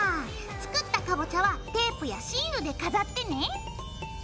作ったかぼちゃはテープやシールで飾ってね。